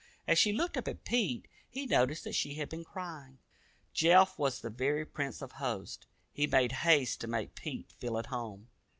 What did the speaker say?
As she looked up at Pete, he noticed that she had been crying. Jeff was the very prince of hosts. He made haste to make Pete feel at home.